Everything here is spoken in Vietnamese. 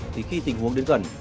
thì khi tình huống đến gần